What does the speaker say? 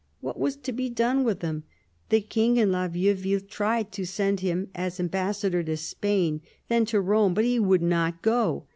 What was to be done with him ? The King and La Vieuville tried to send him as ambassador to Spain, then to Rome ; but he would not go.